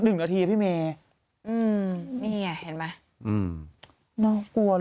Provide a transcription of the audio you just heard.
คุณที่เห็นเหมือนกังวล